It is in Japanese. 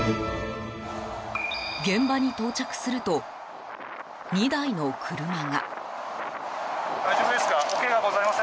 現場に到着すると２台の車が。